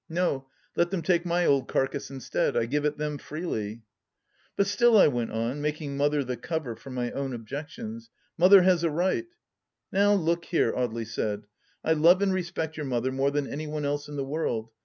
No, let them take my old carcase instead. I give it 'em freely." " But still," I went on, making Mother the cover for my own objections, " Mother has a right "" Now look here !" Audely said ;" I love and respect your Mother more than any one else in the world.